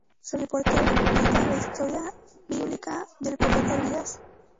Sobre el portal esta la historia bíblica del profeta Elías.